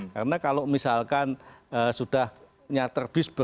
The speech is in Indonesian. karena kalau misalkan sudah nyater bis